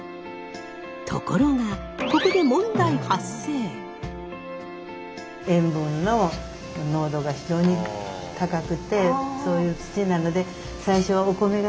ところがここで塩分の濃度が非常に高くてそういう土なので最初はお米が育たないんですよね。